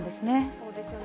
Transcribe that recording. そうですよね。